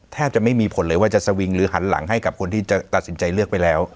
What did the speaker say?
แทบจะไม่มีผลเลยว่าจะสวิงหรือหันหลังให้กับคนที่จะตัดสินใจเลือกไปแล้ว